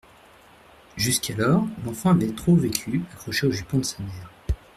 Jusqu'alors, l'enfant avait trop vécu accroché aux jupons de sa mère.